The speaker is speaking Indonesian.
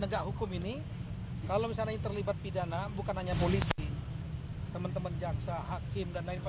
tegak hukum ini kalau misalnya terlibat pidana bukan hanya polisi teman teman jaksa hakim dan lain lain